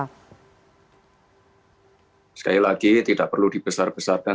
hai sekali lagi tidak perlu dibesar besarkan